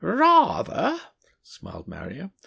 "Rather!" smiled Marrier.